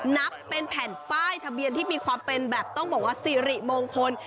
นับเป็นแผ่นป้ายทะเบียนที่มีความเป็นแบบต้องบอกว่าสิริมงคล